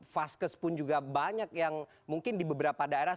vaskes pun juga banyak yang mungkin di beberapa daerah